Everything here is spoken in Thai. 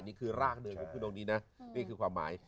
นี่คือรากเดิมในพื้นโดงนี้นะนี่คือความหมาย